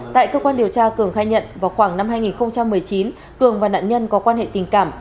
tại cơ quan điều tra cường khai nhận vào khoảng năm hai nghìn một mươi chín cường và nạn nhân có quan hệ tình cảm